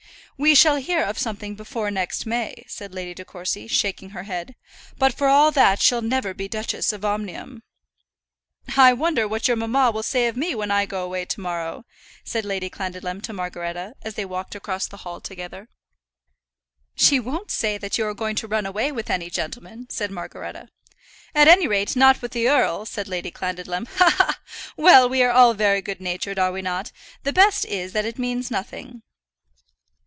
"We shall hear of something before next May," said Lady De Courcy, shaking her head; "but for all that she'll never be Duchess of Omnium." "I wonder what your mamma will say of me when I go away to morrow," said Lady Clandidlem to Margaretta, as they walked across the hall together. "She won't say that you are going to run away with any gentleman," said Margaretta. "At any rate not with the earl," said Lady Clandidlem. "Ha, ha, ha! Well, we are all very good natured, are we not? The best is that it means nothing."